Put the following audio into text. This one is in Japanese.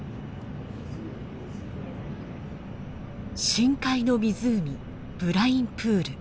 深海の湖ブラインプール。